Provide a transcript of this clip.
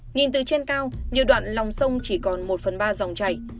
nhìn từ trên cao nhiều đoạn lòng sông chỉ còn một phần ba dòng chảy